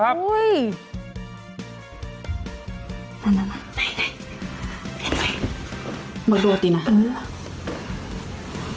นั่นนี่มันโดดอีกน่ะ